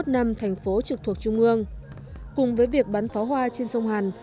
hai mươi một năm thành phố trực thuộc trung ương cùng với việc bán pháo hoa trên sông hàn